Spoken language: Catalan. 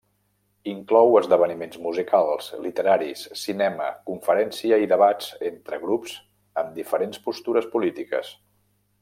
Inclou esdeveniments musicals, literaris, cinema, conferències i debats entre grups amb diferents postures polítiques.